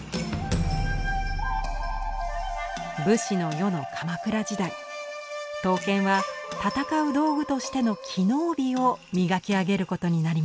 武士の世の鎌倉時代刀剣は戦う道具としての機能美を磨き上げることになりました。